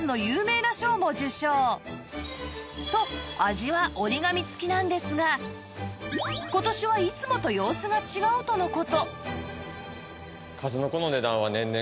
味は折り紙付きなんですが今年はいつもと様子が違うとの事